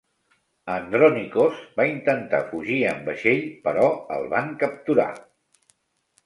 Andronikos va intentar fugir amb vaixell, però el van capturar.